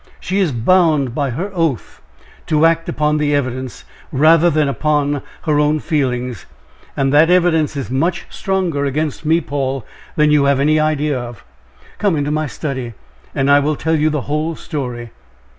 She is bound by her oath to act upon the evidence rather than upon her own feelings, and that evidence is much stronger against me, Paul, than you have any idea of. Come into my study, and I will tell you the whole story."